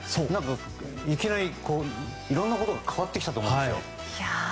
いきなりいろんなことが変わってきたと思うんですよ。